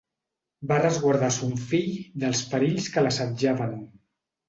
Va resguardar son fill dels perills que l'assetjaven.